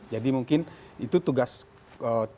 jadi mungkin itu tugas koalisi untuk menemukan